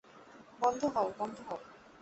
বন্ধ হও, বন্ধ হও।